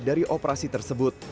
dari operasi tersebut